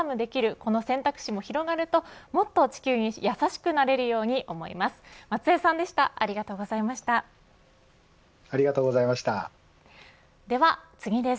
この選択肢も広がるともっと地球に優しくなれるように思います。